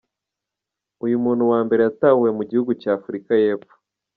Uyu muntu wa mbere yatahuwe mu gihugu cya Afurika y’Epfo.